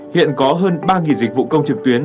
hiện có hơn ba dịch vụ công trực tuyến